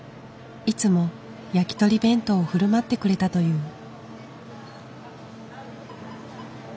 いつもやきとり弁当を振る舞ってくれたという。